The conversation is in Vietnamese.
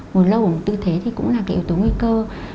ngồi lâu ở một tư thế thì cũng là cái yếu tố nguy cơ